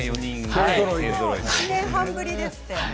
１年半ぶりですって。